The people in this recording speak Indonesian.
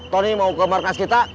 tony mau ke markas kita